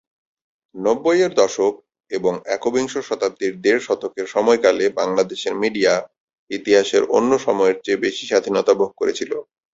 নব্বইয়ের দশক এবং একবিংশ শতাব্দীর দেড় দশকের সময়কালে বাংলাদেশের মিডিয়া ইতিহাসের অন্য সময়ের চেয়ে বেশি স্বাধীনতা ভোগ করেছিল।